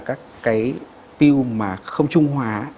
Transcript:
các cái pill mà không trung hóa